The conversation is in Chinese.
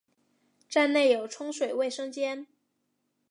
站内有冲水卫生间。